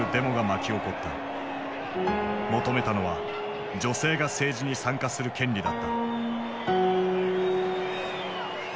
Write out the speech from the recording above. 求めたのは女性が政治に参加する権利だった。